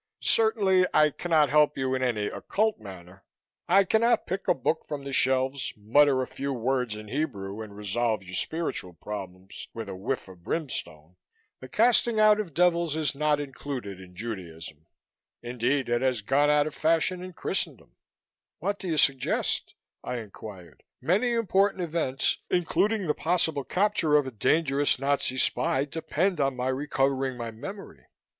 "Certainly I cannot help you in any occult manner. I cannot pick a book from the shelves, mutter a few words in Hebrew and resolve your spiritual problems with a whiff of brimstone. The casting out of devils is not included in Judaism. Indeed, it has gone out of fashion in Christendom." "What can you suggest?" I inquired. "Many important events, including the possible capture of a dangerous Nazi spy, depend on my recovering my memory."